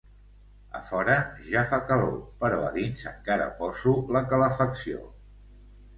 A fora ja fa calor però a dins encara poso la calefacció